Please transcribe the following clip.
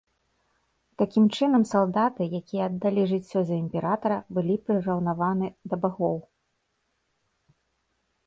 Такім чынам, салдаты, якія аддалі жыццё за імператара, былі прыраўнаваны да багоў.